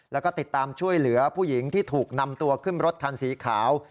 แล้วก็ติดตามช่วยเหลือผู้หญิงที่ถูกนำตัวขึ้นรถคันสีขาว